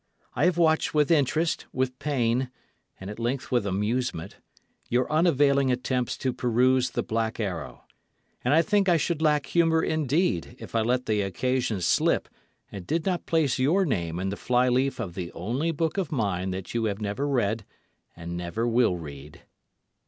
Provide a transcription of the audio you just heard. I have watched with interest, with pain, and at length with amusement, your unavailing attempts to peruse The Black Arrow; and I think I should lack humour indeed, if I let the occasion slip and did not place your name in the fly leaf of the only book of mine that you have never read and never will read.